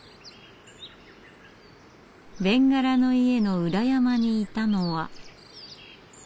べんがらの家の裏山にいたのは。